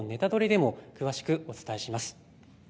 でも詳しくお伝えします。